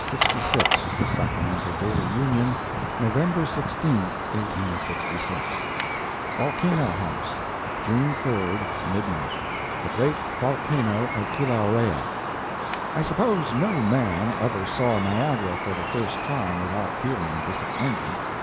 MARK TWAIN. The Sacramento Daily Union, November 16, 1866 Volcano House, June 3d—Midnight. THE GREAT VOLCANO OF KILAUEA I suppose no man ever saw Niagara for the first time without feeling disappointed.